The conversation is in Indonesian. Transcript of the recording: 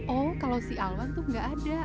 oh kalau si alwan tuh nggak ada